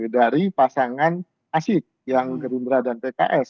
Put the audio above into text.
dari pasangan asik yang gerimbra dan pks